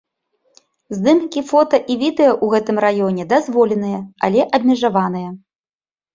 Здымкі фота і відэа ў гэтым раёне дазволеныя, але абмежаваныя.